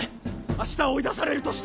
明日追い出されるとしても！